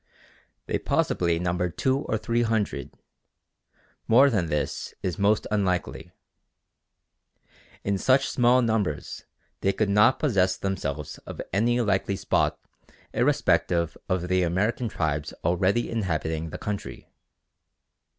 They possibly numbered two or three hundred; more than this is most unlikely. In such small numbers they could not possess themselves of any likely spot irrespective of the American tribes already inhabiting the country.